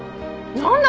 なんだ？